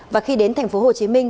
và khi đến thành phố hồ chí minh